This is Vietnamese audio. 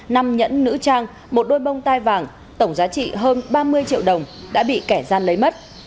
năm nhẫn nữ trang một đôi bông tai vàng tổng giá trị hơn ba mươi triệu đồng đã bị kẻ gian lấy mất